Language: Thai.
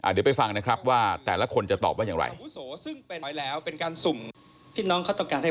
เดี๋ยวไปฟังนะครับว่าแต่ละคนจะตอบว่าอย่างไร